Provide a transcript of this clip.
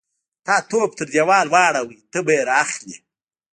_تا توپ تر دېوال واړاوه، ته به يې را اخلې.